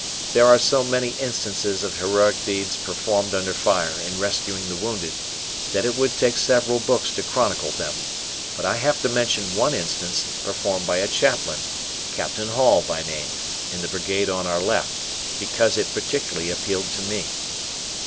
There are so many instances of heroic deeds performed under fire in rescuing the wounded that it would take several books to chronicle them, but I have to mention one instance performed by a Chaplain, Captain Hall by name, in the Brigade on our left, because it particularly appealed to me.